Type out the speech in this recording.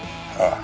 ああ。